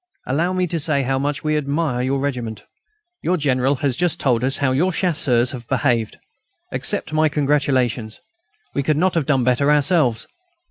Allow me to say how much we all admire your regiment. Your General has just told us how your Chasseurs have behaved. Accept my congratulations. We could not have done better ourselves.